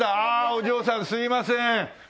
お嬢さんすいません。